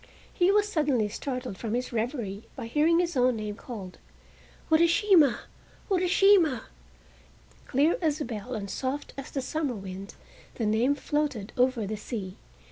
He was suddenly startled from his reverie by hearing his own name called: "Urashima, Urashima!" Clear as a bell and soft as the summer wind the name floated over the sea.